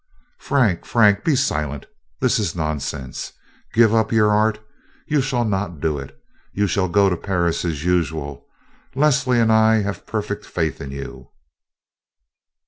"Frank, Frank, be silent. This is nonsense, Give up your art? You shall not do it. You shall go to Paris as usual. Leslie and I have perfect faith in you.